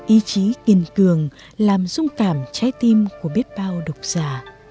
ý chí kiên cường làm dung cảm trái tim của biết bao độc giả